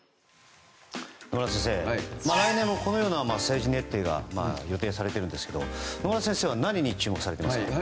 野村先生、来年はこのような政治日程が予定されているんですけど野村先生は何に注目されているんでしょう。